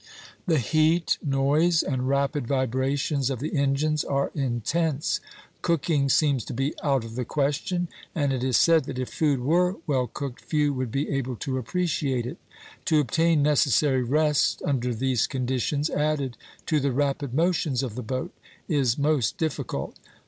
The heat, noise, and rapid vibrations of the engines are intense. Cooking seems to be out of the question, and it is said that if food were well cooked few would be able to appreciate it. To obtain necessary rest under these conditions, added to the rapid motions of the boat, is most difficult."